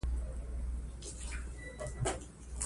ماشوم نوې کلمه زده کړه